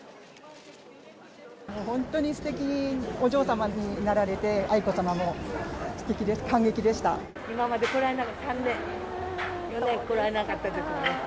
本当にすてきにお嬢様になられて、愛子さまも。今まで来られなかった、３年、４年、来られなかったんですよね。